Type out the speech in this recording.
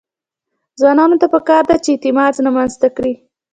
ځوانانو ته پکار ده چې، اعتماد رامنځته کړي.